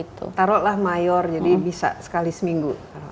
taruhlah mayor jadi bisa sekali seminggu